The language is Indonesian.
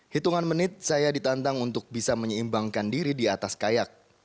hitungan menit saya ditantang untuk bisa menyeimbangkan diri di atas kayak